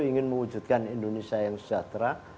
ingin mewujudkan indonesia yang sejahtera